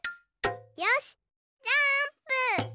よしジャーンプ！